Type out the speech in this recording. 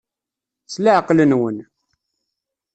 S leɛqel-nwen.